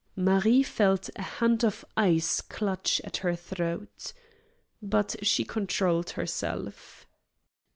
Marie felt a hand of ice clutch at her throat. But she controlled herself.